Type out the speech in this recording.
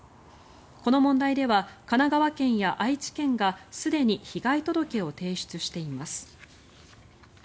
この問題では神奈川県や愛知県がすでに被害届を提出しています。